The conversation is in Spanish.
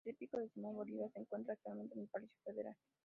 El tríptico de Simón Bolívar se encuentra actualmente en el Palacio Federal.